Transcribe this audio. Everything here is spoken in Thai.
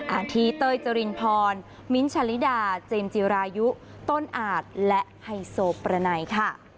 อาทิตเต้ยจรินพรมิ้นท์ชาลิดาเจมส์จิรายุต้นอาจและไฮโซประไนค่ะ